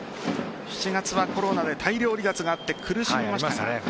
７月はコロナで大量離脱があって苦しみました。